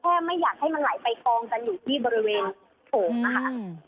ไม่อยากให้มันไหลไปกองกันอยู่ที่บริเวณโถงนะคะ